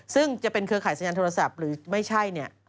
ซึ่งจะเป็นเครือข่ายสัญญาณโทรศัพท์หรือไม่ใช่เนี่ย